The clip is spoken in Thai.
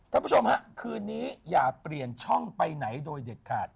ท่านผู้ชมฮะคืนนี้อย่าเปลี่ยนช่องไปไหนโดยเด็ดขาด